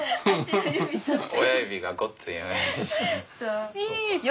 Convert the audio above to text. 親指がごっついんや。